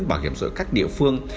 bảo hiểm xã hội các địa phương